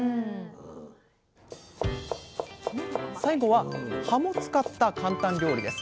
最後は葉も使ったかんたん料理です。